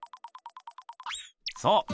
そう！